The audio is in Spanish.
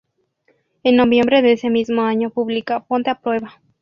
En noviembre de ese mismo año publica "Ponte a prueba.